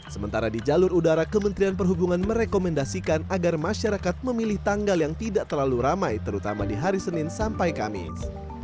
sementara di jalur udara kementerian perhubungan merekomendasikan agar masyarakat memilih tanggal yang tidak terlalu ramai terutama di hari senin sampai kamis